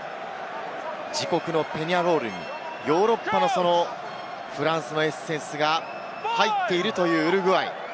自国のペニャロールにヨーロッパのフランスのエッセンスが入っているというウルグアイ。